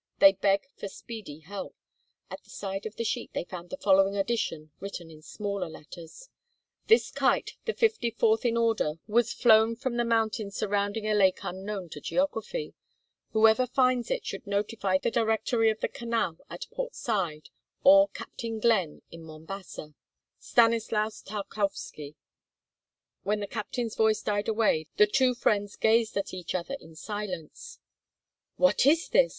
They beg for speedy help." At the side of the sheet they found the following addition written in smaller letters: "This kite, the 54th in order, was flown from the mountains surrounding a lake unknown to geography. Whoever finds it should notify the Directory of the Canal at Port Said or Captain Glenn in Mombasa. Stanislas Tarkowski." When the captain's voice died away, the two friends gazed at each other in silence. "What is this?"